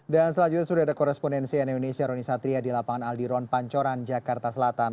dan selanjutnya sudah ada korespondensi nu indonesia rony satria di lapangan aldiron pancoran jakarta selatan